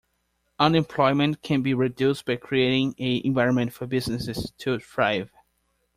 Unemployment can be reduced by creating an environment for businesses to thrive.